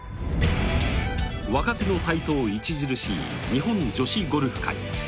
若手の台頭著しい日本女子ゴルフ界。